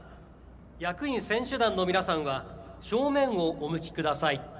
役員・選手団の皆さんは正面をお向きください。